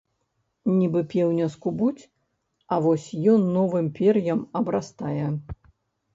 Нібы пеўня скубуць, а вось ён новым пер'ем абрастае.